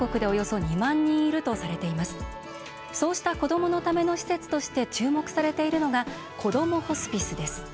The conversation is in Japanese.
そうした子どものための施設として注目されているのが「こどもホスピス」です。